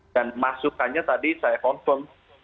dan masukannya tadi saya confirm